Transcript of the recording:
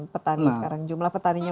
petani sekarang jumlah petaninya